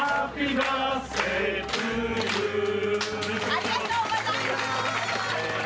ありがとうございます。